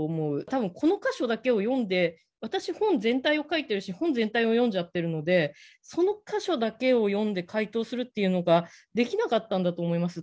多分この箇所だけを読んで私本全体を書いてるし本全体を読んじゃってるのでその箇所だけを読んで解答するっていうのができなかったんだと思います。